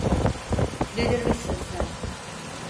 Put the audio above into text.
Delirmişsin sen!